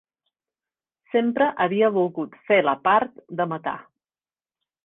Sempre havia volgut fer la part de matar.